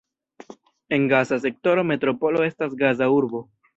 En Gaza sektoro metropolo estas Gaza-urbo.